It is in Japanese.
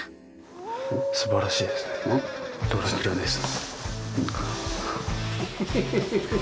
すばらしいですねドラキュラです。